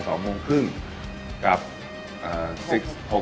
กับ๖โมงเย็น